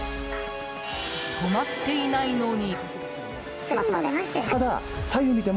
止まっていないのに。